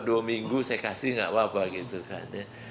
dua minggu saya kasih nggak apa apa gitu kan ya